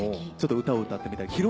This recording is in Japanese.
ちょっと歌を歌ってみたり。